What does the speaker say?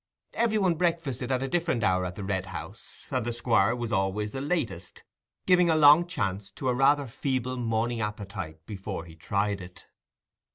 Every one breakfasted at a different hour in the Red House, and the Squire was always the latest, giving a long chance to a rather feeble morning appetite before he tried it.